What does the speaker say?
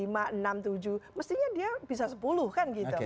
mestinya dia bisa sepuluh kan gitu